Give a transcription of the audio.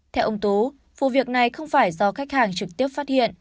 theo ông tú vụ việc này không phải do khách hàng trực tiếp phát hiện